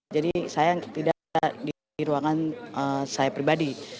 jadi saya tidak di ruangan saya pribadi